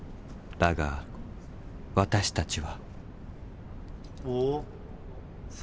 だが私たちは。